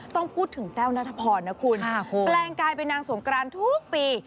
ต้องพูดถึงแต้วนัทพรนะคุณแปลงกายเป็นนางสงกรานทุกปี